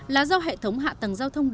là do hệ thống hạng